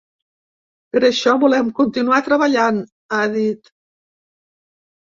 “Per això volem continuar treballant”, ha dit.